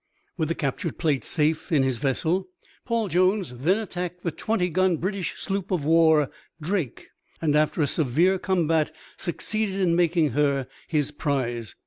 With the captured plate safe in his vessel, Paul Jones then attacked the twenty gun British sloop of war, Drake, and after a severe combat succeeded in making her his prize.